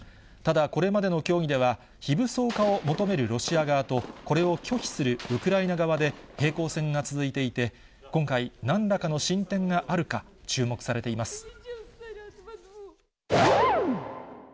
ただ、これまでの協議では、非武装化を求めるロシア側と、これを拒否するウクライナ側で平行線が続いていて、今回、何らかの進展があるか、注目されています。